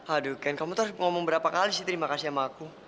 aduh kan kamu tuh ngomong berapa kali sih terima kasih sama aku